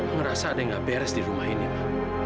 ngerasa ada yang nggak beres di rumah ini ma